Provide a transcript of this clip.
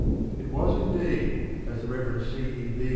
It was, indeed, as the Rev. C. E.